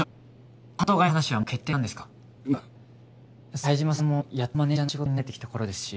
冴島さんもやっとマネージャーの仕事に慣れてきた頃ですし。